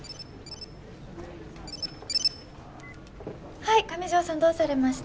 はい上条さんどうされました？